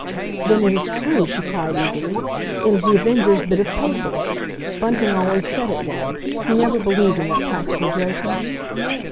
"Then it is true," she cried eagerly. "It is The Avenger's bit of paper! Bunting always said it was. He never believed in that practical joker."